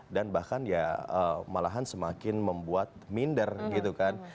dan bahkan ya malahan semakin membuat minder gitu kan